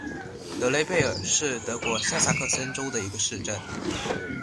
德雷贝尔是德国下萨克森州的一个市镇。